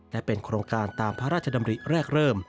และเป็นโครงการตามพระราชดำริแรกเริ่ม